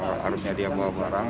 harusnya dia bawa barang